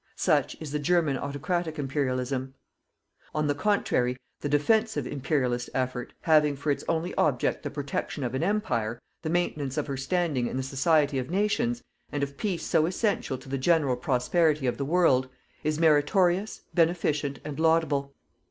Such is the German autocratic Imperialism. On the contrary, the DEFENSIVE Imperialist effort, having for its only object the protection of an Empire, the maintenance of her standing in the society of nations, and of peace so essential to the general prosperity of the world, is meritorious, beneficient and laudable.